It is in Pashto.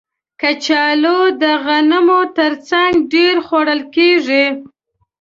کچالو د غنمو تر څنګ ډېر خوړل کېږي